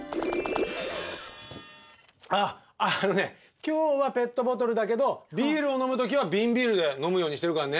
あっあのね今日はペットボトルだけどビールを飲むときは瓶ビールで飲むようにしてるからね。